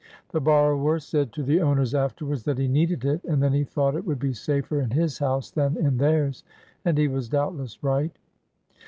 The borrower said to the owners afterwards that he needed it, and then he thought it would be safer in his house than in theirs— and he was doubtless right.